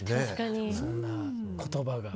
そんな言葉が。